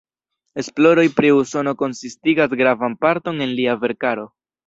Esploroj pri Usono konsistigas gravan parton el lia verkaro.